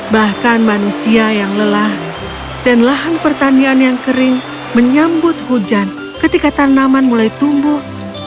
bahkan manusia yang lelah dan lahan pertanian yang kering menyambut hujan ketika tanaman mulai tumbuh